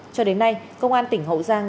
cho đến nay công an tỉnh hậu giang